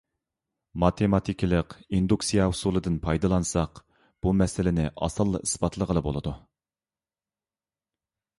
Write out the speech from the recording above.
ماتېماتىكىلىق ئىندۇكسىيە ئۇسۇلىدىن پايدىلانساق، بۇ مەسىلىنى ئاسانلا ئىسپاتلىغىلى بولىدۇ.